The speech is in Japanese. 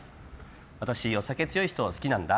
私、お酒強い人好きなんだ。